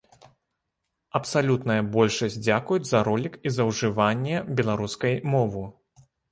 Абсалютная большасць дзякуюць за ролік і за ўжыванне беларускай мову.